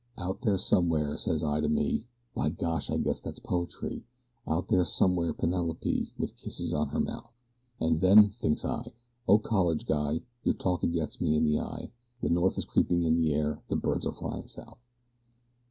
"Out there somewhere!" says I to me. "By Gosh, I guess, thats poetry!" "Out there somewhere Penelope with kisses on her mouth!" And then, thinks I, "O college guy! your talk it gets me in the eye, The north is creeping in the air, the birds are flying south."